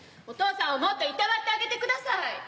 お父さんをもっといたわってあげてください。